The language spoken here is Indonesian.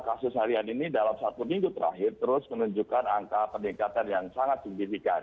kasus harian ini dalam satu minggu terakhir terus menunjukkan angka peningkatan yang sangat signifikan